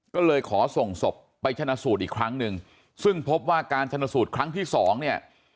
ก็เลยขอส่งศพไปชนะสูตรอีกครั้งหนึ่งซึ่งพบว่าการชนสูตรครั้งที่สองเนี่ย